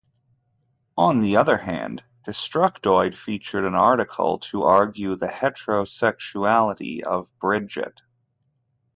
On other hand, Destructoid featured an article to argue the heterosexuality of Bridget.